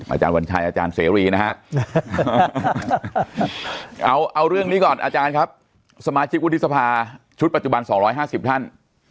อาจารย์วัญชัยอาจารย์เสรีนะฮะเอาเรื่องนี้ก่อนอาจารย์ครับสมาชิกวุฒิสภาชุดปัจจุบัน๒๕๐ท่าน